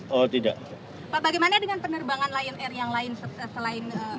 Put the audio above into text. pak bagaimana dengan penerbangan lion air yang lain selain